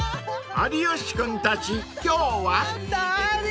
［有吉君たち今日は］